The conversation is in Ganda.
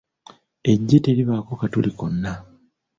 Eggi teribaako katuli konna.